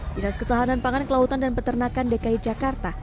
dinas ketahanan pangan kelautan dan peternakan dki jakarta